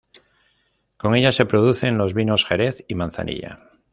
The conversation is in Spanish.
Con ella se producen los vinos jerez y manzanilla.